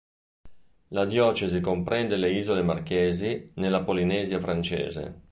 La diocesi comprende le isole Marchesi, nella Polinesia francese.